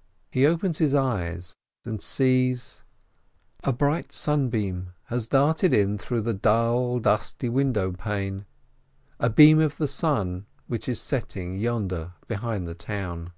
" And he opens his eyes and sees : AN EASY FAST l5l A bright sunbeam has darted in through the dull, dusty window pane, a beam of the sun which is setting yonder behind the town.